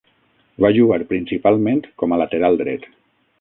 Va jugar principalment com a lateral dret.